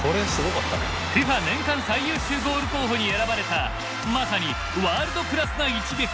ＦＩＦＡ年間最優秀ゴール候補に選ばれたまさにワールドクラスな一撃。